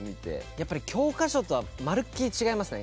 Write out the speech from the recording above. やっぱり教科書とはまるっきり違いますね。